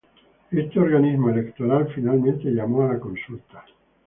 Este organismo electoral finalmente llamó a la consulta.